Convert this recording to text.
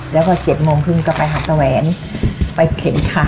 แล้วก็๗โมงครึ่งก็ไปหาตะแหวนไปเข็นค่ะ